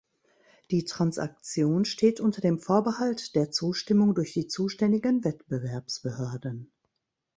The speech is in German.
Die Transaktion steht unter dem Vorbehalt der Zustimmung durch die zuständigen Wettbewerbsbehörden.